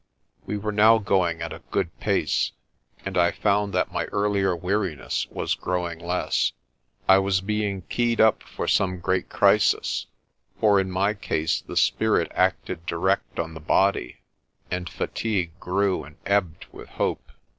We were now going at a good pace, and I found that my earlier weariness was growing less. I was being keyed up for some great crisis, for in my case the spirit acted direct on the body, and fatigue grew and ebbed with hope.